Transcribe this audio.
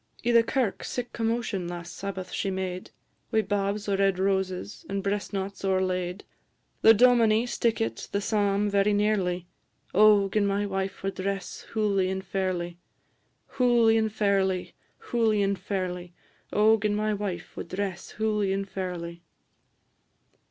I' the kirk sic commotion last Sabbath she made, Wi' babs o' red roses, and breast knots o'erlaid; The dominie stickit the psalm very nearly. O gin my wife wad dress hooly and fairly! Hooly and fairly, hooly and fairly; O gin my wife wad dress hooly and fairly!